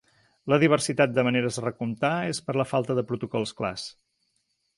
La diversitat de maneres de recomptar és per la falta de protocols clars.